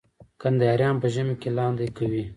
کندهاریان په ژمي کي لاندی کوي.